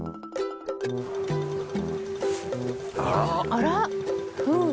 あら！